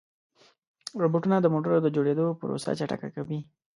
روبوټونه د موټرو د جوړېدو پروسه چټکه کوي.